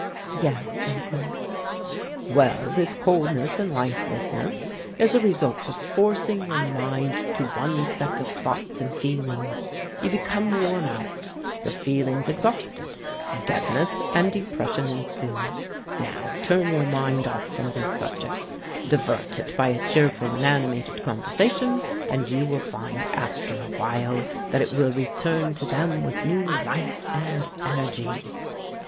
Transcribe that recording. "Yes, uncle." "Well, this coldness and lifelessness is the result of forcing your mind to one set of thoughts and feelings. You become worn out your feelings exhausted deadness and depression ensues. Now, turn your mind off from these subjects divert it by a cheerful and animated conversation, and you will find, after a while, that it will return to them with new life and energy."